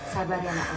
sabar ya anaknya